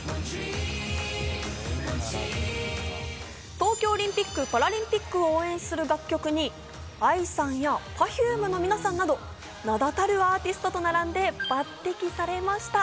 東京オリンピック・パラリンピックを応援する楽曲にＡＩさんやＰｅｒｆｕｍｅの皆さんなど名だたるアーティストと並んで抜擢されました。